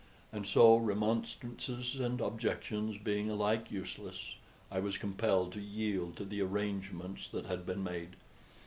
And so, remonstrances and objections being alike useless, I was compelled to yield to the arrangements that had been made.